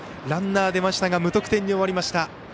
ランナー出ましたが無得点に終わりました。